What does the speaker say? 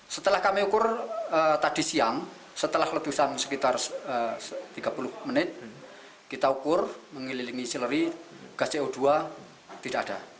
setelah kami ukur tadi siang setelah letusan sekitar tiga puluh menit kita ukur mengelilingi sileri gas co dua tidak ada